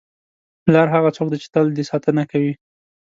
پلار هغه څوک دی چې تل دې ساتنه کوي.